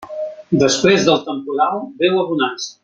Després del temporal ve la bonança.